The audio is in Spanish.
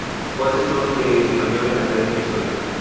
Fue asesor de español en la Academia Sueca.